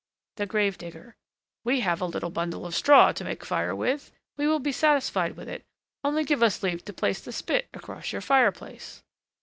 THE GRAVE DIGGER. We have a little bundle of straw to make a fire with, we will be satisfied with it; only give us leave to place the spit across your fire place.